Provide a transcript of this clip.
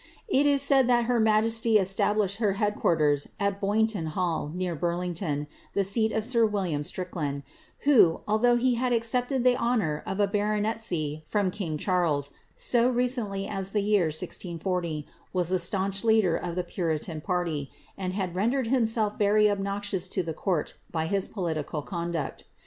It is said that her majesty established her head quarters at Boynton Hall, near Burlington, the seat of sir William Strick land, who, although he had accepted the honour of a baronetcy from king Charles, so recently as the year 1640, was a staunch leader of the puritan party, and had rendered himself very obnoxious to the court by his political conduct.